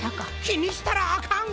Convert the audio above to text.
きにしたらあかん！